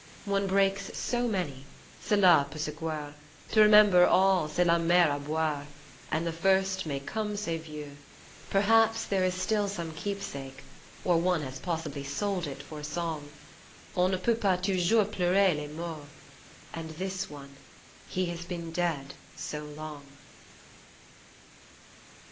One breaks so many, cela pent se croire, To remember all c'est la mer a boire, And the first, mats comme c'est vieux. Perhaps there is still some keepsake or One has possibly sold it for a song : On ne peut pas toujours pleurer les morts, And this One He has been dead so long